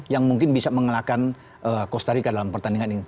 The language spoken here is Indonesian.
yang mungkin bisa mengalahkan costa rica dalam pertandingan ini